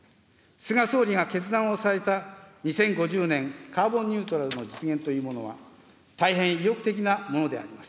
菅総理が決断をされた２０５０年カーボンニュートラルの実現というものは、大変意欲的なものであります。